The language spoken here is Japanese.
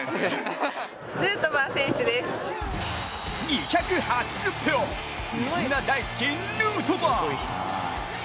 ２８０票、みんな大好き、ヌートバー。